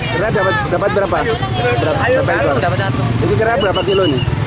berapa berapa berapa berapa berapa kilo ini